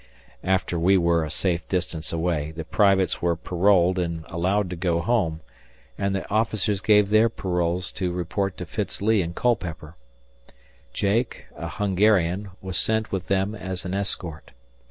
After we were a safe distance away, the privates were paroled and allowed to go home, and the officers gave their paroles to report to Fitz Lee in Culpeper. Jake, a Hungarian, was sent with them as an escort.